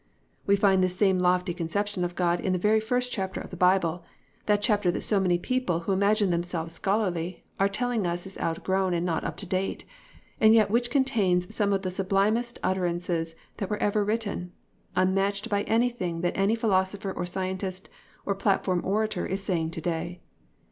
We find this same lofty conception of God in the very first chapter of the Bible, that chapter that so many people who imagine themselves scholarly are telling us is outgrown and not up to date, and yet which contains some of the sublimest utterances that were ever written, unmatched by anything that any philosopher or scientist or platform orator is saying to day.